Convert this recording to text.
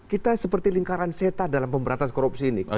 kita seperti lingkaran seta dalam pemberantasan korupsi ini